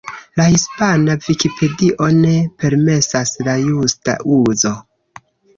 La Hispana Vikipedio ne permesas la justa uzo.